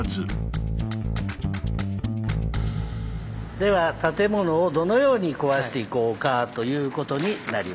では建物をどのように壊していこうかということになります。